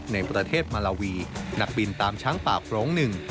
ในประเทศมาลาวีนักบินตามช้างป่าโปรงหนึ่ง